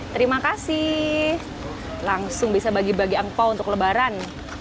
terima kasih langsung bisa bagi bagi angkau untuk lebaran